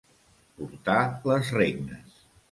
Portar les regnes.